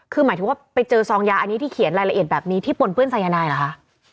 คือหมายถึงว่าไปเจอซองยาอันนี้ที่เขียนรายละเอียดแบบนี้ที่ปนเปื้อนสายนายเหรอคะ